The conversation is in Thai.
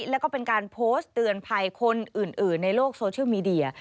แล้วก็เป็นการโพสต์เตือนภัยคนอื่นในโลกโซเชียลมีเดีย